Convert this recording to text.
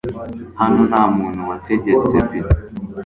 Hano ntamuntu wategetse pizza .